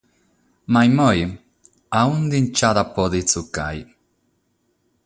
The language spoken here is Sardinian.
Ma como, a ue nch’at a pòdere tzucare?